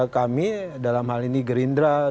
kami dalam hal ini gerindra